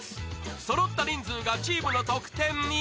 そろった人数がチームの得点に